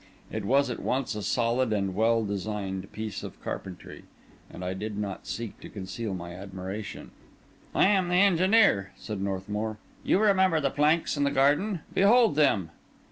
It was at once a solid and well designed piece of carpentry; and I did not seek to conceal my admiration. "I am the engineer," said Northmour. "You remember the planks in the garden? Behold them?"